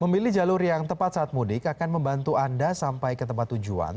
memilih jalur yang tepat saat mudik akan membantu anda sampai ke tempat tujuan